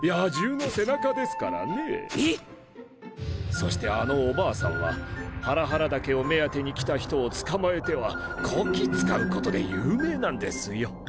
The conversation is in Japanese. そしてあのおばあさんはハラハラ茸を目当てに来た人を捕まえてはこき使うことで有名なんですよ。